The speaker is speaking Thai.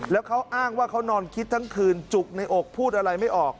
แล้วเขาอ้างว่าเขานอนคิดทั้งคืนจุกในอกพูดอะไรไม่ออก